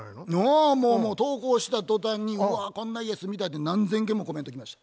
あもう投稿した途端に「うわこんな家住みたい」って何千件もコメント来ました。